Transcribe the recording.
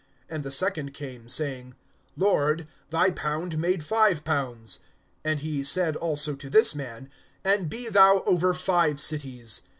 (18)And the second came, saying: Lord, thy pound made five pounds. (19)And he said also to this man: And be thou over five cities.